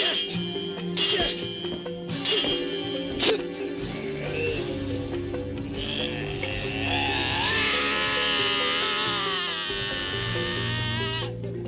aku akan memonly penyelamat maniac ini buat kamu